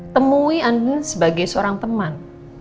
temui anda sebagai seorang teman